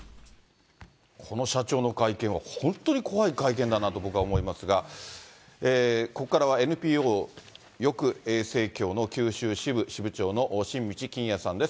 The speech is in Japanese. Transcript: この社長の会見は、本当に怖い会見だなと僕は思いますが、ここからはＮＰＯ浴衛生協の九州支部支部長の新道欣也さんです。